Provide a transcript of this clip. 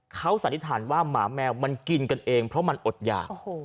เขาสันนิษฐานว่าหมาแมวมันกินกันเองเพราะมันอดหยาก